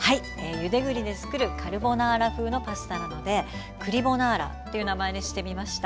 ゆで栗でつくるカルボナーラ風のパスタなので栗ボナーラという名前にしてみました。